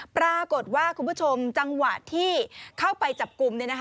ปรากฏว่าคุณผู้ชมจังหวะที่เข้าไปจับกลุ่ม